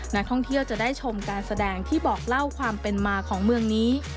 นักท่องเที่ยวจะได้ชมการแสดงที่บอกเล่าความเป็นมาของเมืองนี้